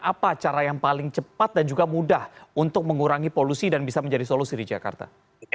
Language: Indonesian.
apa cara yang paling cepat dan juga mudah untuk mengurangi polusi dan bisa menjadi solusi di jakarta